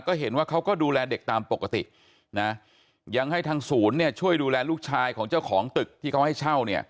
ก็เห็นว่าเขาก็ดูแลเด็กตามปกตินะยังให้ทางศูนย์ช่วยดูแลลูกชายของเจ้าของตึกที่เขาให้เช่าเนี่ย